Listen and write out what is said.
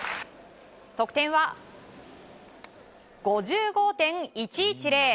得点は５５．１１０。